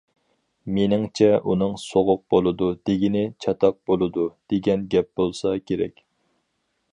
مېنىڭچە ئۇنىڭ‹‹ سوغۇق›› بولىدۇ دېگىنى‹‹ چاتاق بولىدۇ›› دېگەن گەپ بولسا كېرەك.